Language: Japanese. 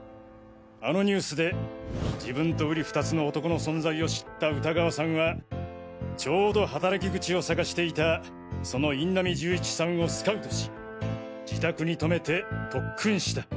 あのニュースで自分と瓜二つの男の存在を知った歌川さんはちょうど働き口を探していたその印南銃一さんをスカウトし自宅に泊めて特訓した。